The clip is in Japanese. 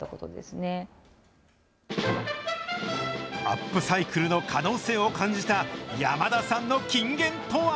アップサイクルの可能性を感じた山田さんの金言とは。